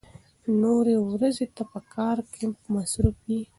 نورې ورځې ته په کار کې مصروف يې.